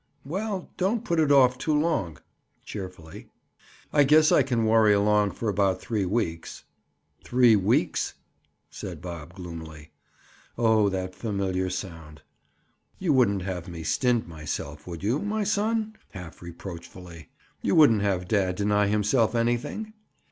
"Well, don't put it off too long." Cheerfully. "I guess I can worry along for about three weeks." "Three weeks!" said Bob gloomily. Oh, that familiar sound! "You wouldn't have me stint myself, would you, my son?" Half reproachfully. "You wouldn't have dad deny himself anything?"